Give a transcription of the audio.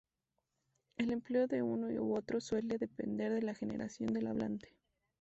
El empleo de uno u otro suele depender de la generación del hablante.